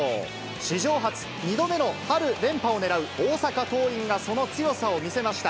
史上初、２度目の春連覇を狙う大阪桐蔭がその強さを見せました。